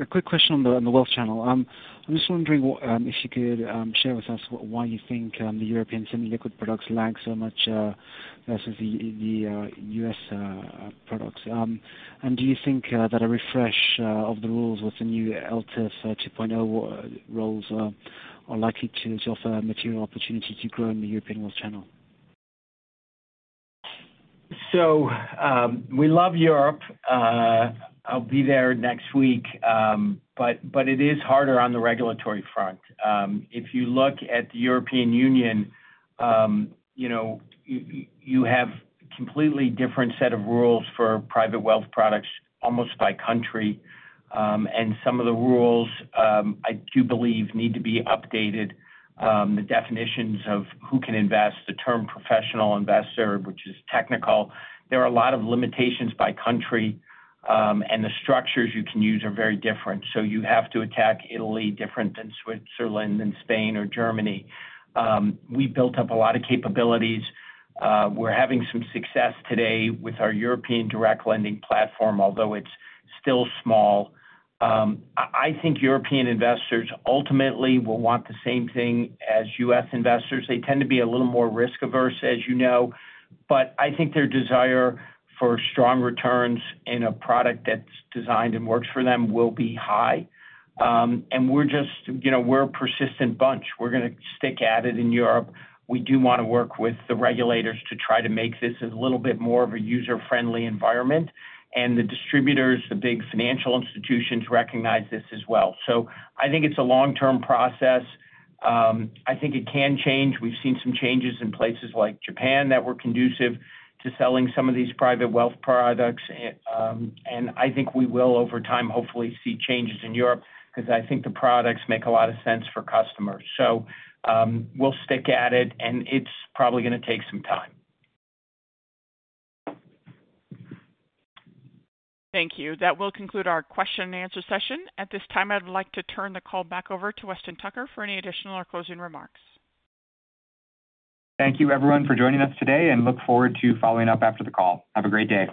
A quick question on the wealth channel. I'm just wondering if you could share with us why you think the European semi-liquid products lag so much versus the U.S. products and do you think that a refresh of the rules with the new ELTIF 2.0 rules are likely to offer a material opportunity to grow in the European wealth channel. We love Europe. I'll be there next but it is harder on the regulatory front. If you look at the European Union you have completely different set of rules for private wealth products, almost by country and some of the rules, I do believe, need to be updated. The definitions of who can invest, the term professional investor, which is technical. There are a lot of limitations by country and the structures you can use are very different. So you have to attack Italy different than Switzerland than Spain or Germany. We built up a lot of capabilities. We're having some success today with our European direct lending platform, although it's still small. European investors ultimately will want the same thing as US investors. They tend to be a little more risk-averse as their desire for strong returns in a product that's designed and works for them will be high and we're just we're a persistent bunch. We're gonna stick at it in Europe. We do want to work with the regulators to try to make this a little bit more of a user-friendly environment and the distributors, the big financial institutions, recognize this as well. So it's a long-term process. it can change. We've seen some changes in places like Japan that were conducive to selling some of these private wealth products and we will, over time, hopefully see changes in Europe, because the products make a lot of sense for customers. We'll stick at it and it's probably gonna take some time. Thank you. That will conclude our question and answer session. At this time, I'd like to turn the call back over to Weston Tucker for any additional or closing remarks. Thank you, everyone, for joining us today and look forward to following up after the call. Have a great day.